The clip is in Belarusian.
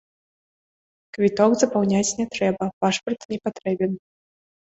Квіток запаўняць не трэба, пашпарт не патрэбен.